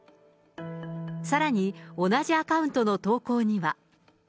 さらに、同じアカウントの投稿には。